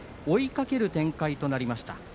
追いかける展開となりました。